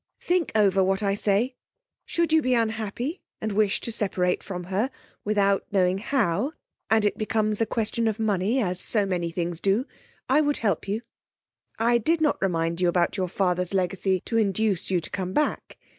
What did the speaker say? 'Think over what I say. Should you be unhappy and wish to separate from her without knowing how, and if it becomes a question of money, as so many things do, I would help you. I did not remind you about your father's legacy to induce you to come back.